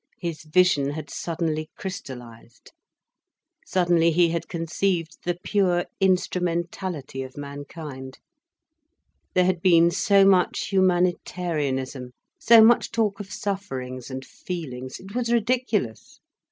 His vision had suddenly crystallised. Suddenly he had conceived the pure instrumentality of mankind. There had been so much humanitarianism, so much talk of sufferings and feelings. It was ridiculous.